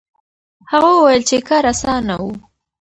هغه وویل چې کار اسانه و.